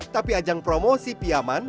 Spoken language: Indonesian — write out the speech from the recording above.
tapi ajang promosi piaman